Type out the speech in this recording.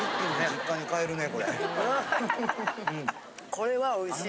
これはおいしい。